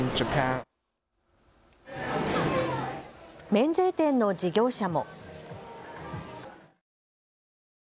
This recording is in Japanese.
免税店の事業者も。